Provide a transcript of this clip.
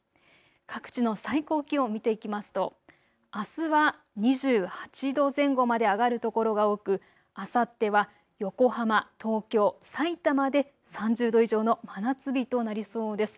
各地の最高気温、見ていきますとあすは２８度前後まで上がる所が多く、あさっては横浜、東京、さいたまで３０度以上の真夏日となりそうです。